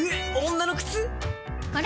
女の靴⁉あれ？